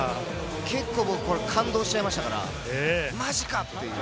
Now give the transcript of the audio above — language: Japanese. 結構感動しましたから、マジかっていう。